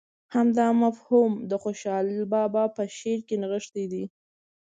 همدا مفهوم د خوشحال بابا په شعر کې نغښتی دی.